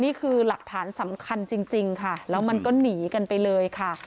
นี่คือหลักฐานสำคัญจริงค่ะแล้วมันก็หนีกันไปเลยค่ะ